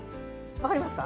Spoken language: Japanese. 分かりますか？